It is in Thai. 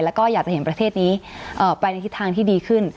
แล้วก็อยากจะเห็นประเทศนี้ไปในทิศทางที่ดีขึ้น